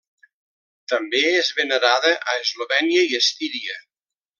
També és venerada a Eslovènia i Estíria.